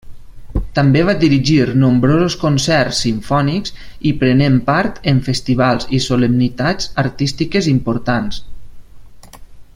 També va dirigir nombrosos concerts simfònics i prenent part en festivals i solemnitats artístiques importants.